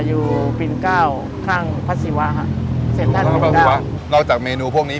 อยู่พิลก้าวข้างพรรษีวาค่ะเสนท่านนอกจากเมนูพวกนี้